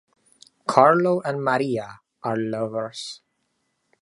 Carlo and Maria are lovers.